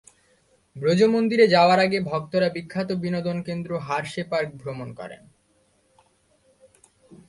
ব্রজ মন্দিরে যাওয়ার আগে ভক্তরা বিখ্যাত বিনোদন কেন্দ্র হারশে পার্ক ভ্রমণ করেন।